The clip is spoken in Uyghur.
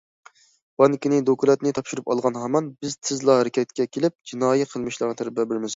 بانكىنى دوكلاتىنى تاپشۇرۇپ ئالغان ھامان، بىز تېزلا ھەرىكەتكە كېلىپ، جىنايى قىلمىشلارغا زەربە بېرىمىز.